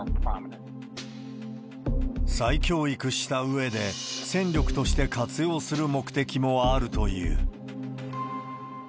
再教育したうえで、戦力として活用する目的もあるという。